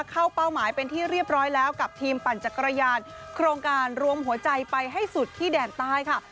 เป้าหมายเป็นที่เรียบร้อยแล้วกับทีมปั่นจักรยานโครงการรวมหัวใจไปให้สุดที่แดนใต้ค่ะ